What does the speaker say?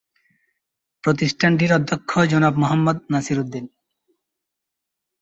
প্রতিষ্ঠানটির অধ্যক্ষ জনাব মোহাম্মদ নাসির উদ্দিন।